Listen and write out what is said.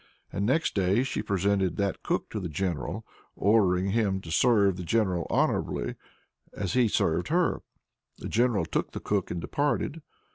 And next day "she presented that cook to the general, ordering him to serve the general honorably, as he had served her. The general took the cook and departed."